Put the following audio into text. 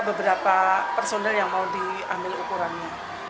beberapa personel yang mau diambil ukurannya